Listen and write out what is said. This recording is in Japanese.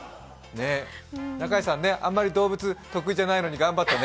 中屋さん、あんまり動物得意じゃないのに頑張ったね。